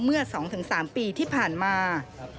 เมื่อสองถึงสามปีที่ผ่านมา